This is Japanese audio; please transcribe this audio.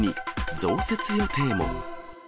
増設予定も。